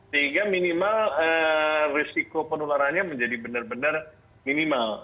sehingga minimal risiko penularannya menjadi benar benar minimal